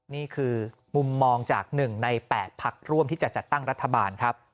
นี่คือมุมมองจาก๑ใน๘พักร่วมที่จะจัดตั้งรัฐบาลครับ